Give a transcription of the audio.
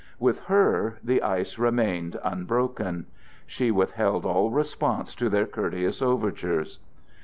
With her the ice remained unbroken; she withheld all response to their courteous overtures.